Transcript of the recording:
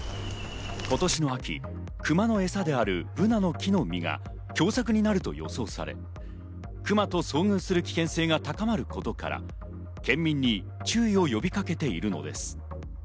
今年の秋、クマのえさであるブナの木の実が凶作になると予測され、クマと遭遇する危険性が高まることから、県民に注意を呼びかけているのです。